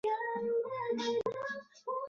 小硬枝藓为平藓科羽枝藓属下的一个种。